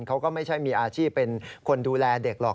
เขาก็ไม่ใช่มีอาชีพเป็นคนดูแลเด็กหรอก